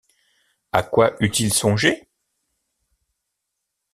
À quoi eût-il songé?